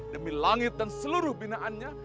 demi langit dan seluruh binaannya